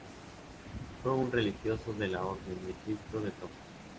Fue un religioso de la Orden de Cristo de Tomar.